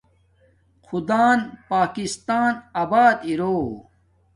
خدان پاکستان ابات اِرو